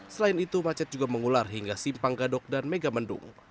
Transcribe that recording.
selain itu macet juga mengular hingga simpang gadok dan megamendung